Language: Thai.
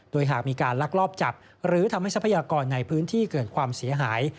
โดยหากมีการลักลอบจับหรือทำให้ทรัพยากรในพื้นที่เกิดความเสียหาย